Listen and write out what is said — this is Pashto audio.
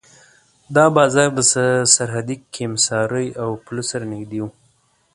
دا بازار د سرحدي کمېسارۍ او پله سره نږدې و.